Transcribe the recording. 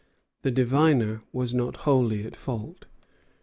The diviner was not wholly at fault.